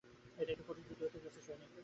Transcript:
এটা একটা কঠিন যুদ্ধ হতে চলেছে, সৈনিক।